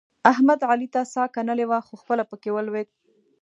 احمد؛ علي ته څا کنلې وه؛ خو خپله په کې ولوېد.